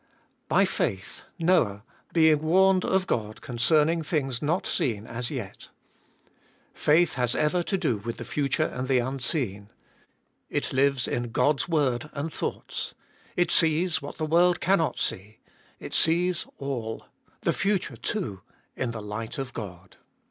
By faith Noah, being warned of God concerning things not seen as yet. Faith has ever to do with the future and the unseen. It lives in God's word and thoughts ; it sees what the world can not see : it sees all, the future too, in the light of God.